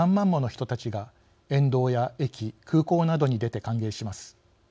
人たちが沿道や駅空港などに出て歓迎します。